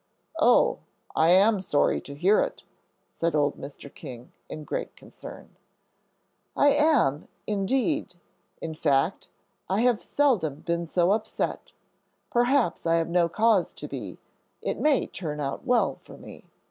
"Oh, I am sorry to hear it," said old Mr. King, in great concern. "I am, indeed. In fact, I have seldom been so upset. Perhaps I have no cause to be; it may turn out well for me."